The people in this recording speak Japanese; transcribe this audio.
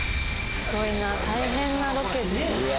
すごいな大変なロケですねうわ